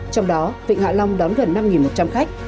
trong đó vịnh hạ long đón gần năm một trăm linh khách